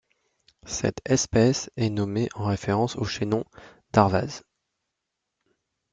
Cette espèce est nommée en référence au chaînon Darvaz.